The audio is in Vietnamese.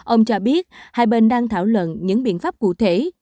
ông cho biết hai bên đang thảo luận những biện pháp cụ thể